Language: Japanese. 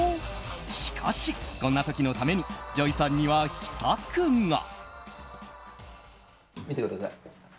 しかし、こんな時のためにＪＯＹさんには秘策が。